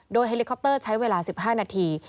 เฮลิคอปเตอร์ใช้เวลา๑๕นาที